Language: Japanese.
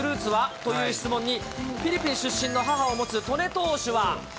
という質問に、フィリピン出身の母を持つ戸根投手は。